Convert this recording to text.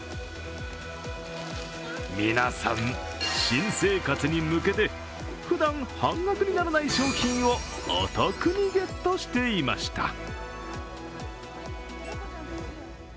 皆さん、新生活に向けてふだん半額にならない商品をお得にゲットしていました。